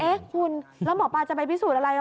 เอ๊ะคุณแล้วหมอปลาจะไปพิสูจน์อะไร